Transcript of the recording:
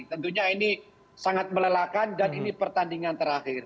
tentunya ini sangat melelahkan dan ini pertandingan terakhir